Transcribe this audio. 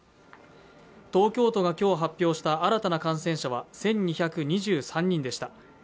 東京都が今日発表した新たな感染者は１２２３人でした。